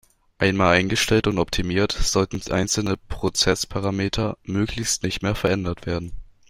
Einmal eingestellt und optimiert, sollten einzelne Prozessparameter möglichst nicht mehr verändert werden.